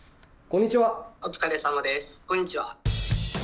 こんにちは」。